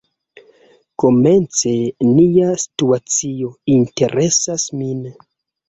Komence nia situacio interesas min.